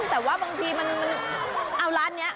แต่ว่าบางทีมันเอาร้านนี้